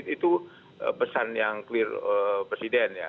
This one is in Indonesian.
itu pesan yang clear presiden ya